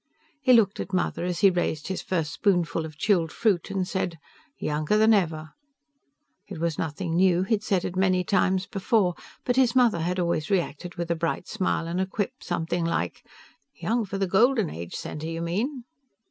He looked at Mother as he raised his first spoonful of chilled fruit, and said, "Younger than ever." It was nothing new; he'd said it many many times before, but his mother had always reacted with a bright smile and a quip something like, "Young for the Golden Age Center, you mean."